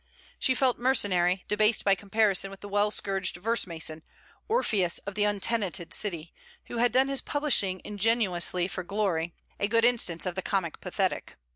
She felt mercenary, debased by comparison with the well scourged verse mason, Orpheus of the untenanted city, who had done his publishing ingenuously for glory: a good instance of the comic pathetic.